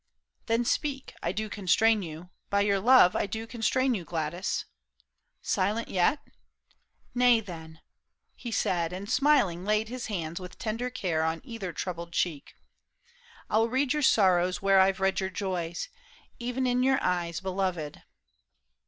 " Then speak, I do constrain you ; by your love I do constrain you, Gladys. Silent yet ? Nay then," he said, and smiling, laid his hands With tender care on either troubled cheek, " I'll read your sorrows where I've read your joys^ Ev'n in your eyes, beloved."